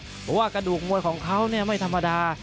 เพราะว่ากระดูกมวยของเขาไม่ธรรมดา